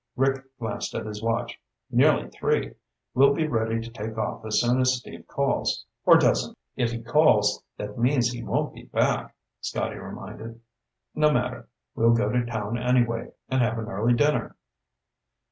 Rick glanced at his watch. "Nearly three. We'll be ready to take off as soon as Steve calls, or doesn't." "If he calls, that means he won't be back," Scotty reminded. "No matter. We'll go to town anyway, and have an early dinner."